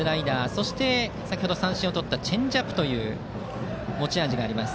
そして先程、三振をとったチェンジアップという持ち味があります。